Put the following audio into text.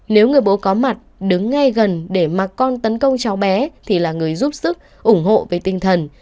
nếu người bố có mặt đứng ngay gần để mặc con tấn công cháu bé thì là người giúp sức ủng hộ về tinh thần